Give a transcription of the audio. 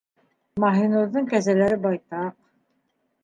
Маһинурҙың кәзәләре байтаҡ.